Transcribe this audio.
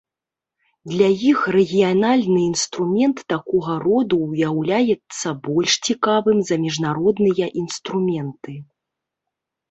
Для іх рэгіянальны інструмент такога роду уяўляецца больш цікавым за міжнародныя інструменты.